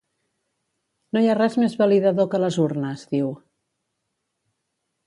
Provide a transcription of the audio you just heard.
No hi ha res més validador que les urnes, diu.